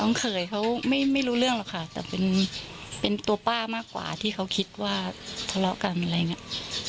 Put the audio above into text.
เขยเขาไม่รู้เรื่องหรอกค่ะแต่เป็นตัวป้ามากกว่าที่เขาคิดว่าทะเลาะกันอะไรอย่างนี้